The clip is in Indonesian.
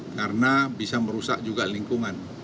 karena bisa merusak juga lingkungan